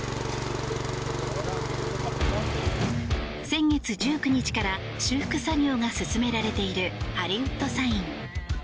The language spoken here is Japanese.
先月１９日から修復作業が進められているハリウッド・サイン。